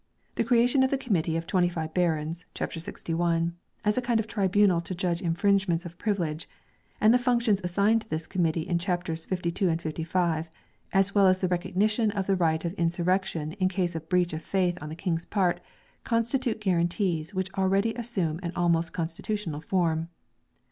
The creation of the committee of twenty five barons (ch. 61) as a kind of tribunal to judge infringements of privilege and the functions assigned to this committee in chapters 52 and 55, as well as the recognition of the right of insurrection in case of breach of faith on the King's part, constitute guaran tees which already assume an almost constitutional form.